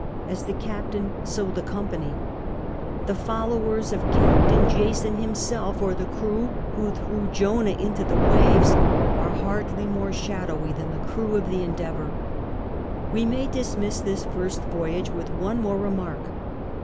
As the captain, so the company. The followers of Captain Jason himself, or the crew who threw Jonah into the waves, are hardly more shadowy than the crew of the Endeavov/r, We may dismiss this first voyage with one more remark.